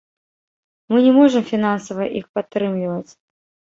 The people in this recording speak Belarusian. Мы не можам фінансава іх падтрымліваць.